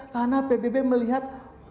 karena pbb melihat